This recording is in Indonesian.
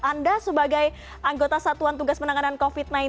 anda sebagai anggota satuan tugas penanganan covid sembilan belas